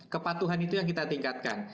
kepatuhan itu yang kita tingkatkan